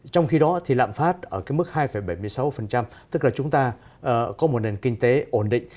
trong khi đó thì lạm phát ở mức hai bảy mươi sáu tức là chúng ta có một nền kinh tế ổn định